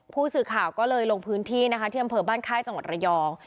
ผู้สื่อข่าวก็เลยลงพื้นที่นะคะที่อำเภอบ้านค่ายจังหวัดระยอง